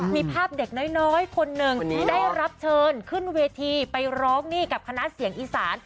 มีภาพเด็กน้อยคนหนึ่งได้รับเชิญขึ้นเวทีไปร้องหนี้กับคณะเสียงอีสาน